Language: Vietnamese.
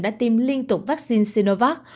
đã tiêm liên tục vaccine sinovac